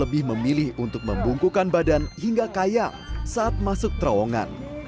lebih memilih untuk membungkukan badan hingga kayang saat masuk terowongan